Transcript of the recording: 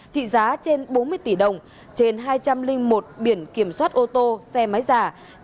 trị giá trên bốn mươi tỷ đồng trên hai trăm linh một biển kiểm soát ô tô xe máy giả